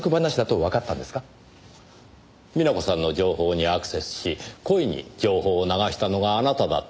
美奈子さんの情報にアクセスし故意に情報を流したのがあなただった。